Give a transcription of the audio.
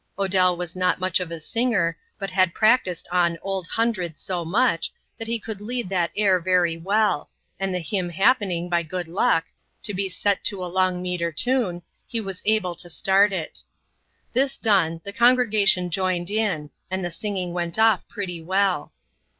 Odell was not much of a singer, but had practised on "Old Hundred" so much, that he could lead that air very well; and the hymn happening, by good luck, to be set to a long metre tune, he was able to start it. This done, the congregation joined in, and the singing went off pretty well.